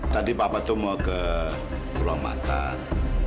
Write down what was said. tadi bapak tuh mau ke ruang makan